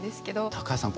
高橋さん